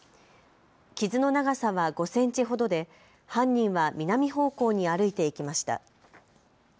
傷の長さは５センチほどで犯人は南方向に歩いて行きました。